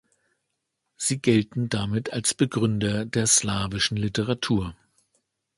Sie gelten damit als Begründer der slawischen Literatur.